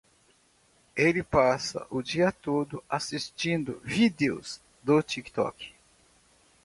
Ele passa o dia todo assistindo vídeos do TikTok.